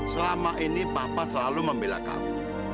selama ini papa selalu membela kamu